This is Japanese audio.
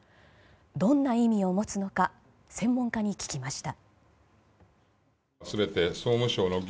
どんな意味を持つのか専門家に聞きました。